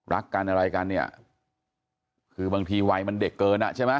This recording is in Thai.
รักกันอะไรกันเนี่ยคือบางทีวัยมันเด็กเกินอ่ะใช่ไหม